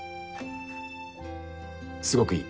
すごくいい。